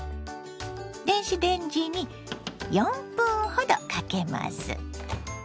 電子レンジに４分ほどかけます。